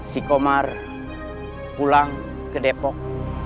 si komar pulang ke depok